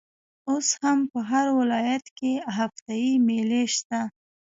اوس هم په هر ولايت کښي هفته يي مېلې سته.